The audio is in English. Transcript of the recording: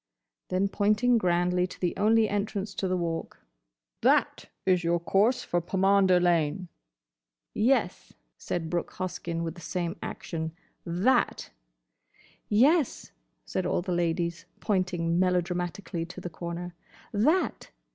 Then, pointing grandly to the only entrance to the Walk, "That is your course for Pomander Lane." "Yes," said Brooke Hoskyn, with the same action, "That!" "Yes," said all the ladies, pointing melodramatically to the corner, "That!"